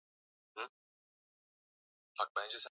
tatu kwa mwezi huo